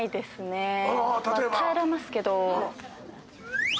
耐えれますけど。